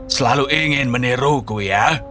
selalu ingin meniruku ya